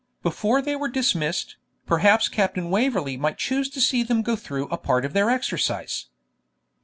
Before they were dismissed, perhaps Captain Waverley might choose to see them go through a part of their exercise.'